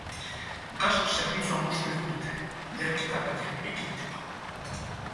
Gas zerbitzua moztu egin dute, leherketa berriak ekiditeko.